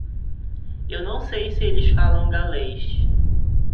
Eu não sei se eles falam galês.